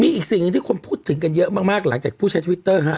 อีกสิ่งหนึ่งที่คนพูดถึงกันเยอะมากหลังจากผู้ใช้ทวิตเตอร์ฮะ